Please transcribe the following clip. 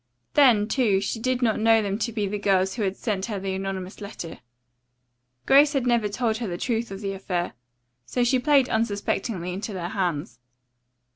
Then, too, she did not know them to be the girls who had sent her the anonymous letter. Grace had never told her the truth of the affair, so she played unsuspectingly into their hands.